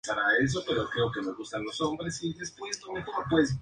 Escribió tratados de historia comparada e historia cultural.